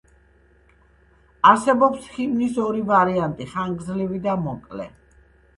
არსებობს ჰიმნის ორი ვარიანტი: ხანგრძლივი და მოკლე.